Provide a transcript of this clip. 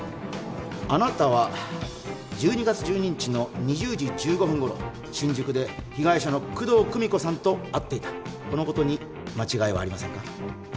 あなたは１２月１２日の２０時１５分頃新宿で被害者の工藤久美子さんと会っていたこのことに間違いはありませんか？